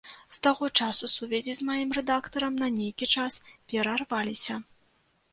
З таго часу сувязі з маім рэдактарам на нейкі час перарваліся.